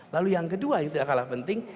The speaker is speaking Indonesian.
lalu yang kedua yang tidak kalah penting